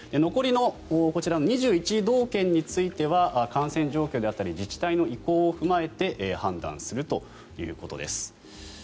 残りのこちらの２１道県については感染状況であったり自治体の意向を踏まえて判断するということです。